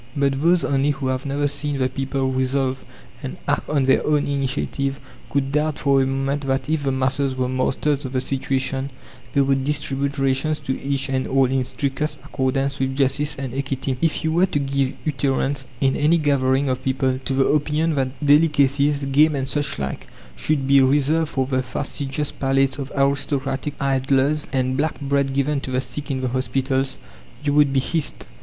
But those only who have never seen the people resolve and act on their own initiative could doubt for a moment that if the masses were masters of the situation, they would distribute rations to each and all in strictest accordance with justice and equity. If you were to give utterance, in any gathering of people, to the opinion that delicacies game and such like should be reserved for the fastidious palates of aristocratic idlers, and black bread given to the sick in the hospitals, you would be hissed.